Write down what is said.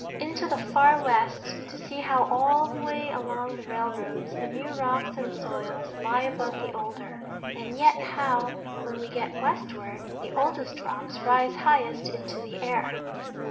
Into the far west, to see how all the way along the railroads the new rocks and soils lie above the older, and yet how, when we get westward, the oldest rocks rise highest into the air.